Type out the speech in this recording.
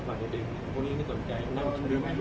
สวัสดีครับทุกคน